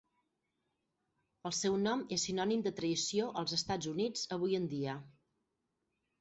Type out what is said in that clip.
El seu nom és sinònim de traïció als Estats Units avui en dia.